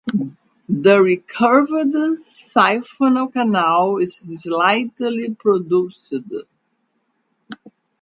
The recurved siphonal canal is slightly produced.